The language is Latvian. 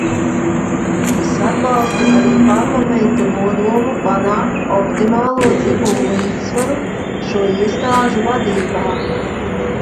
Es atbalstu arī Parlamenta nodomu panākt optimālo dzimumu līdzsvaru šo iestāžu vadībā.